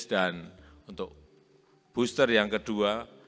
dan untuk booster yang kedua